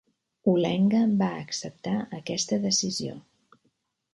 Ulenga va acceptar aquesta decisió.